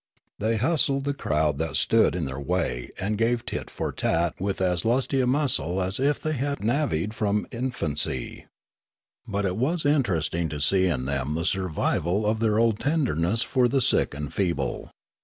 They hustled the crowd that stood in their way and gave tit for tat with as lusty a muscle as if they had navvied from infanc}'. But it was interesting to see in them the survival of their old tenderness for the sick and feeble.